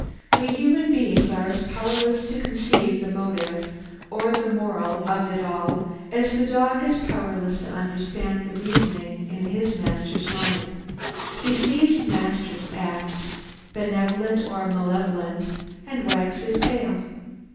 We human beings are as powerless to conceive the motive or the moral of it all as the dog is powerless to understand the reasoning in his master's mind. He sees the master's acts, benevolent or malevolent, and wags his tail.